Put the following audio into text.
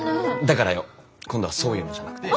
だからよ。今度はそういうのじゃなくて。